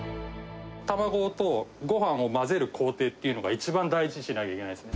卵とごはんを混ぜる工程っていうのが、一番大事にしなきゃいけないですね。